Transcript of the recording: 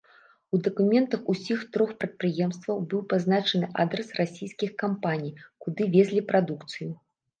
У дакументах ўсіх трох прадпрыемстваў быў пазначаны адрас расійскіх кампаній, куды везлі прадукцыю.